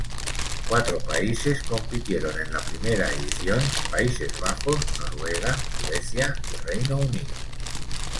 Cuatro países compitieron en la primera edición, Países Bajos, Noruega, Suecia y Reino Unido.